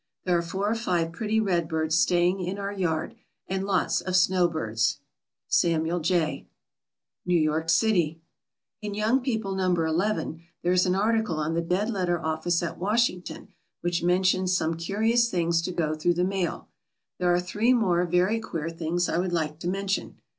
There are four or five pretty redbirds staying in our yard, and lots of snowbirds. SAMUEL J. NEW YORK CITY. In YOUNG PEOPLE No. 11 there is an article on the Dead letter Office at Washington which mentions some curious things to go through the mail. There are three more very queer things I would like to mention.